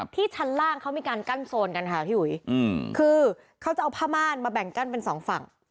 ชั้นล่างเขามีการกั้นโซนกันค่ะพี่อุ๋ยคือเขาจะเอาผ้าม่านมาแบ่งกั้นเป็นสองฝั่ง